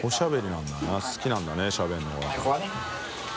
覆鵑世茲好きなんだねしゃべるのが。